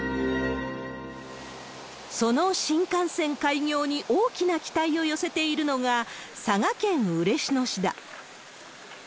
その新幹線開業に大きな期待を寄せているのが、佐賀県嬉野市だ。